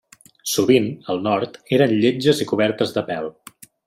Sovint, al nord, eren lletges i cobertes de pèl.